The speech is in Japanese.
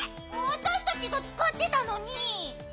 あたしたちがつかってたのに。